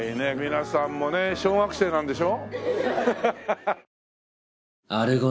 皆さんもね小学生なんでしょ？